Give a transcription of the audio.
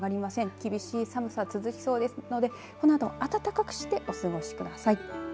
厳しい寒さ続きそうですのでこのあと暖かくしてお過ごしください。